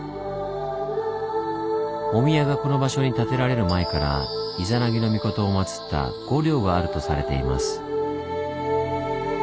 お宮がこの場所に建てられる前から伊弉諾尊を祀った御陵があるとされています。